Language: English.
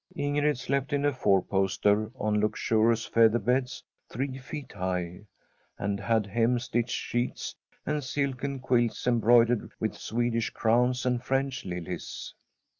Ingrid slept in a four poster, on luxurious featherbeds three feet high, and had hem stitched sheets, and silken quilts embroidered with Swed ish crowns and French lilies.